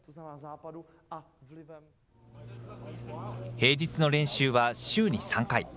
平日の練習は週に３回。